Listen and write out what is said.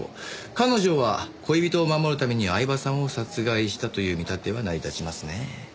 彼女は恋人を守るために饗庭さんを殺害したという見立ては成り立ちますね。